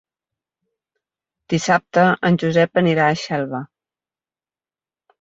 Dissabte en Josep anirà a Xelva.